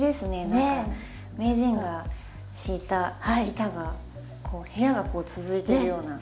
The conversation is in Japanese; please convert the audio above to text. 何か名人が敷いた板がこう部屋が続いてるような。